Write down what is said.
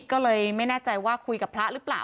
ก็เลยไม่แน่ใจว่าคุยกับพระหรือเปล่า